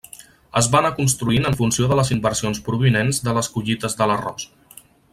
Es va anar construint en funció de les inversions provinents de les collites de l'arròs.